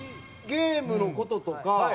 ゲームの事とか。